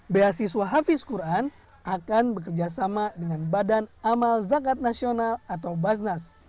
beasiswa hafiz quran akan bekerjasama dengan badan amal zakat nasional atau basnas